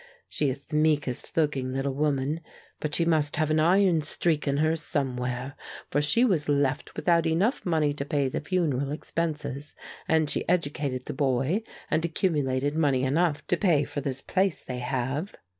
She is the meekest looking little woman, but she must have an iron streak in her somewhere, for she was left without enough money to pay the funeral expenses, and she educated the boy and accumulated money enough to pay for this place they have.